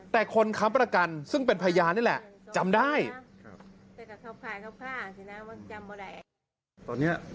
แต่คนค้ำประกันซึ่งเป็นพยานนี่แหละจำได้